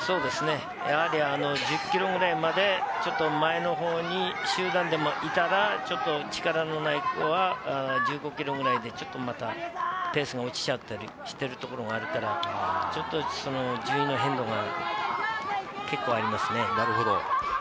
やはり１０ｋｍくらいまで前の方に集団でいたら、力のない子は１５ｋｍくらいで、ちょっとまたペースが落ちて来てるところがあるから、順位の変動が結構ありますね。